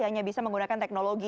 hanya bisa menggunakan teknologi